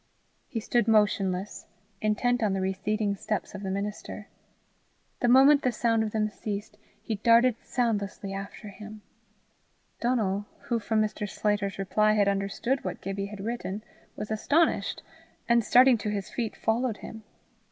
He stood motionless, intent on the receding steps of the minister. The moment the sound of them ceased, he darted soundless after him. Donal, who from Mr. Sclater's reply had understood what Gibbie had written, was astonished, and starting to his feet followed him.